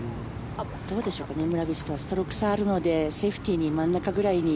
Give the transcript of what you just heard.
どうでしょうかね村口さんストローク差あるのでセーフティーに真ん中くらいに。